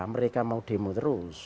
mereka mau demo terus